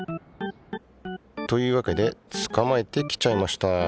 というわけでつかまえてきちゃいました。